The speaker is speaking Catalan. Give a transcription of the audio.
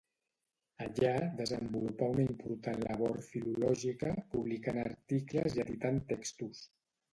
Allà desenvolupà una important labor filològica, publicant articles i editant textos.